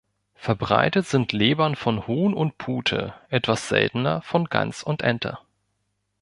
Verbreitet sind Lebern von Huhn und Pute, etwas seltener von Gans und Ente.